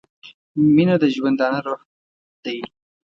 • مینه د ژوندانه روح دی.